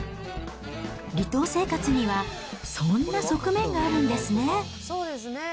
離島生活にはそんな側面があるんですね。